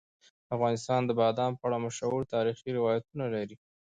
افغانستان د بادام په اړه مشهور تاریخی روایتونه لري.